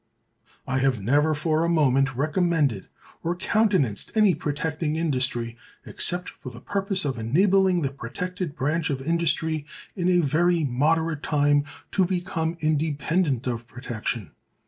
I have never for a moment recommended or countenanced any protecting industry except for the purpose of enabling the protected branch of industry, in a very moderate time, to become independent of protection.